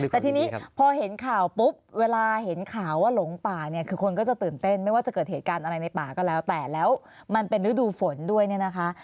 แต่ทีนี้พอเห็นข่าวปุ๊บเวลาเห็นข่าวว่าหลงป่าเนี่ยคือคนก็จะตื่นเต้นไม่ว่าจะเกิดเหตุการณ์อะไรในป่าก็แล้วแต่แล้วมันเป็นฤดูฝนด้วยเนี่ยนะคะ